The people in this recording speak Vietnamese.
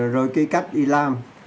rồi cái cách đi làm